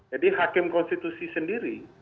jadi hakim konstitusi sendiri